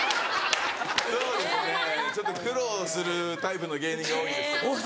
そうですねちょっと苦労するタイプの芸人が多いんです。